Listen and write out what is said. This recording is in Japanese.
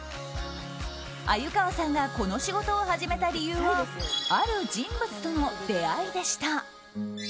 鮎河さんがこの仕事を始めた理由はある人物との出会いでした。